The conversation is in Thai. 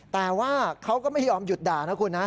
แต่ว่าเขาก็ไม่ยอมหยุดด่านะคุณนะ